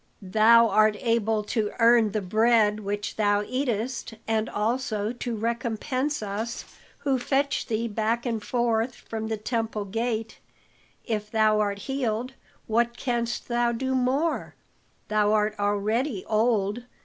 "Thou art able to earn the bread which thou eatest, and also to recompense us, who fetch thee back and forth from the temple gate; if thou art healed, what canst thou do more? thou art already old.